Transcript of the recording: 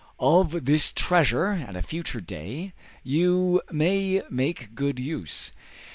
Of this treasure at a future day, you may make good use.